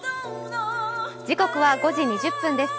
時刻は５時２０分です。